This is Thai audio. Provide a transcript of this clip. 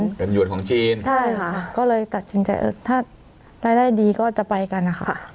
เป็นหยวนของจีนใช่ค่ะก็เลยตัดสินใจเออถ้ารายได้ดีก็จะไปกันนะคะ